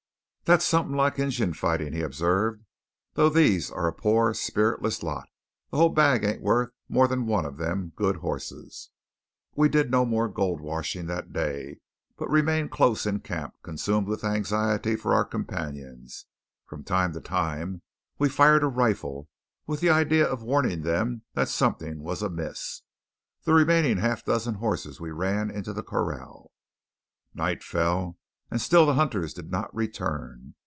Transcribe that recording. "That's something like Injun fighting," he observed, "though these are a pore, spiritless lot. The whole bag ain't worth more than one of them good hosses." We did no more gold washing that day, but remained close in camp, consumed with anxiety for our companions. From time to time we fired a rifle, with the idea of warning them that something was amiss. The remaining half dozen horses we ran into the corral. Night fell and still the hunters did not return.